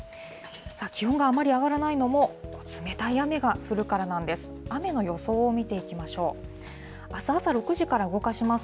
気温があまり上がらないのも、冷たい雨が降るからなんです。